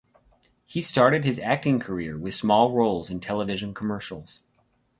He started his acting career with small roles in television commercials.